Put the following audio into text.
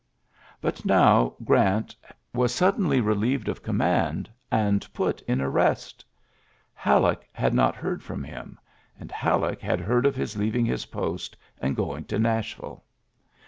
But now Grant was suddenly relieved of command, and put in arrest I Hal leck had not heard from him ; and Hal leek had heard of his leaving his post and going to Nashville.